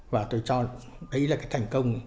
và tôi cho đấy là cái thành công